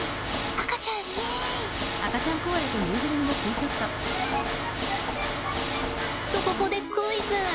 赤ちゃんイエイ！とここでクイズ！